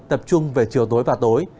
tập trung về chiều tối và tối